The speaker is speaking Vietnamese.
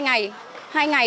hai ngày trên một tuần